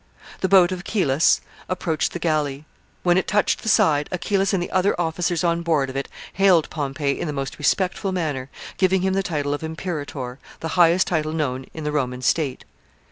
The boat of Achillas approached the galley. When it touched the side, Achillas and the other officers on board of it hailed Pompey in the most respectful manner, giving him the title of Imperator, the highest title known in the Roman state.